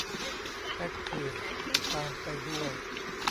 แอ็คทีฟตามไปด้วย